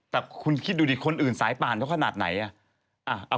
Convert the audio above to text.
แต่คุณคิดดูดิคนอื่นสายป่านเขาขนาดไหน